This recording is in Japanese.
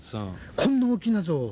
こんな大きな象を？